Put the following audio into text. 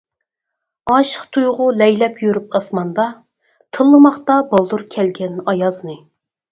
ئاشىق تۇيغۇ لەيلەپ يۈرۈپ ئاسماندا، تىللىماقتا بالدۇر كەلگەن ئايازنى.